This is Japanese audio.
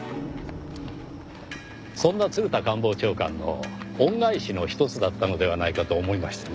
そんな鶴田官房長官の恩返しの一つだったのではないかと思いましてね。